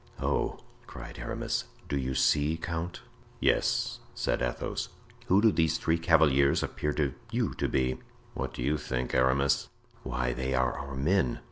"Oh!" cried Aramis, "do you see, count?" "Yes," said Athos. "Who do these three cavaliers appear to you to be?" "What do you think, Aramis?" "Why, they are our men."